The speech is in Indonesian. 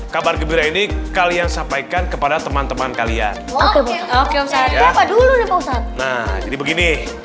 kabar gembira ini kalian sampaikan kepada teman teman kalian oke oke ustadz nah jadi begini